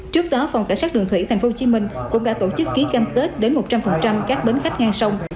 trước đó phòng cảnh sát đường thủy tp hcm cũng đã tổ chức ký cam kết đến một trăm linh các bến khách ngang sông